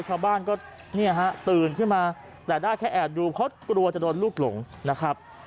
ชาวบ้านก็เนี่ยฮะตื่นขึ้นมาแต่ได้แค่แอบดูเพราะกลัวจะโดนลูกหลงนะครับ